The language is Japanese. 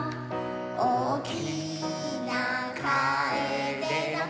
「おおきなカエデの木」